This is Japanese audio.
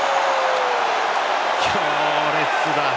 強烈だ。